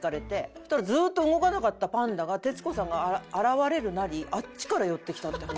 そしたらずっと動かなかったパンダが徹子さんが現れるなりあっちから寄ってきたって話。